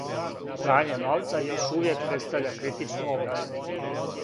Прање новца још увијек представља критичну област.